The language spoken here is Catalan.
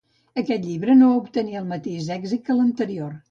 Aquest llibre no va obtenir el mateix èxit que l'anterior.